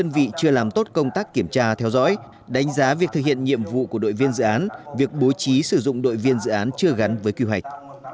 và theo dõi đánh giá việc thực hiện nhiệm vụ của đội viên dự án việc bố trí sử dụng đội viên dự án chưa gắn với quy hoạch